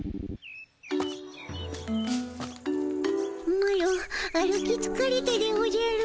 マロ歩きつかれたでおじゃる。